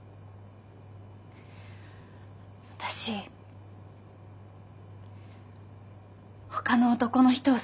私他の男の人を好きになって。